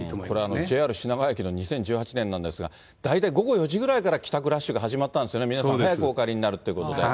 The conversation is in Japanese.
ＪＲ品川駅の２０１８年なんですが、大体午後４時ぐらいから帰宅ラッシュが始まったんですよね、皆さん、早くお帰りになるということで。